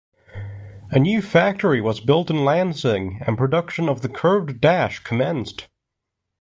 A new factory was built in Lansing, and production of the Curved Dash commenced.